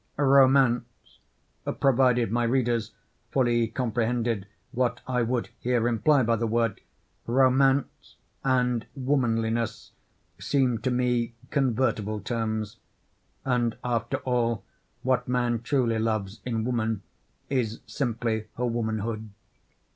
"Romance," provided my readers fully comprehended what I would here imply by the word—"romance" and "womanliness" seem to me convertible terms: and, after all, what man truly loves in woman, is simply her womanhood.